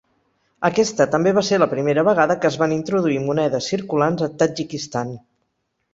Aquesta també va ser la primera vegada que es van introduir monedes circulants a Tadjikistan.